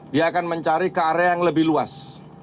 dia akan mencari ke area yang lebih luas